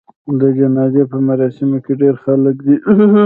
د جنازې په مراسمو کې ډېر خلک ځي.